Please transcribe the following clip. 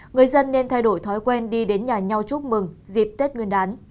người dân nên thay đổi thói quen đi đến nhà nhau chúc mừng dịp tết nguyên đán